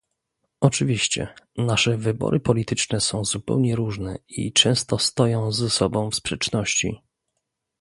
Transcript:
Oczywiście, nasze wybory polityczne są zupełnie różne i często stoją z sobą w sprzeczności